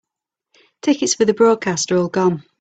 Tickets for the broadcast are all gone.